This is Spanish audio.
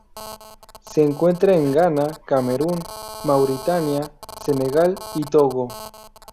Se encuentra en Ghana, Camerún, Mauritania, Senegal y Togo.